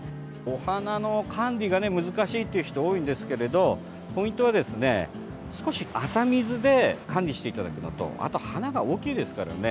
お花の管理が難しいっていう人多いんですけれどポイントは、少し浅水で管理していただくのとあと花が大きいですからね。